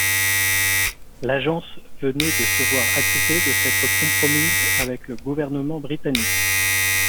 L'agence venait de se voir accusée de s'être compromise avec le gouvernement britannique.